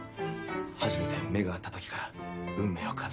初めて目が合った時から運命を感じてました」。